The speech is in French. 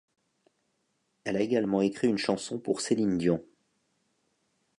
Elle a également écrit une chanson pour Céline Dion.